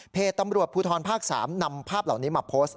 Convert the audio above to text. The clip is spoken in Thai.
ตำรวจภูทรภาค๓นำภาพเหล่านี้มาโพสต์